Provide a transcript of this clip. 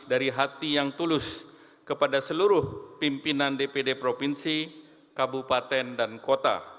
dari hati yang tulus kepada seluruh pimpinan dpd provinsi kabupaten dan kota